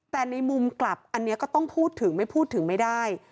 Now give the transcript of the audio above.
แต่ในมุมกลับอันนี้ก็ต้องพูดถึงไม่พูดถึงไม่ได้